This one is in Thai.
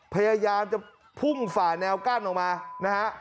พยายามจะพุ่งฝ่าแนวกั้นออกมานะฮะ